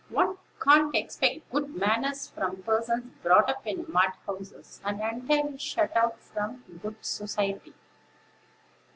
One can't expect good manners from persons brought up in mud houses, and entirely shut out from good society.